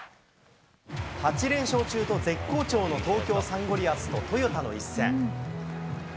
８連勝中と絶好調の東京サンゴリアスとトヨタの一戦。